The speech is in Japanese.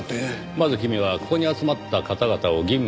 まず君はここに集まった方々を吟味してください。